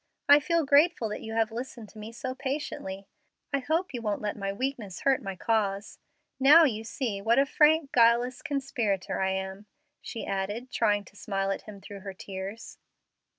I feel grateful that you have listened to me so patiently. I hope you won't let my weakness hurt my cause. Now you see what a frank, guileless conspirator I am," she added, trying to smile at him through her tears.